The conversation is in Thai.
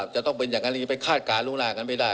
จะต้องเป็นอย่างนั้นดีไปคาดการณ์กันไม่ได้